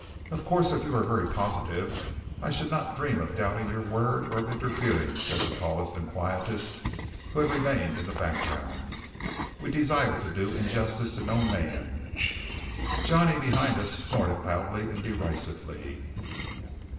"Of course, if you are very positive, I should not dream of doubting your word or of interfering," said the tallest and quietest, who had remained in the background. "We desire to do injustice to no man " Johnny, behind us, snorted loudly and derisively.